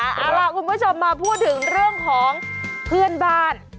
เอาล่ะคุณผู้ชมมาพูดถึงเรื่องของเพื่อนบ้าน